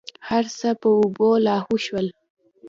هرڅه په اوبو لاهو سول.